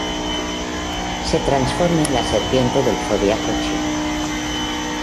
Se transforma en la Serpiente del Zodíaco chino.